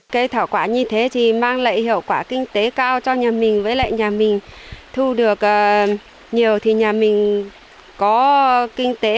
cây thảo quả như thế thì mang lại hiệu quả kinh tế cao cho nhà mình với lại nhà mình thu được nhiều thì nhà mình có kinh tế